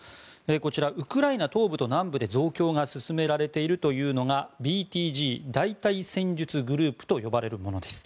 こちら、ウクライナ東部と南部で増強が進められているというのがＢＴＧ・大隊戦術グループと呼ばれるものです。